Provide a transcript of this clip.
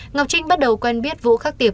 ngọc trinh bắt đầu quen biết vũ khắc tiệp